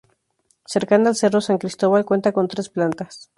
Cercana al Cerro San Cristóbal, cuenta con tres plantas.